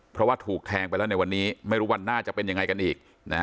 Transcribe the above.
เพราะว่าถูกแทงไปแล้วในวันนี้ไม่รู้วันหน้าจะเป็นยังไงกันอีก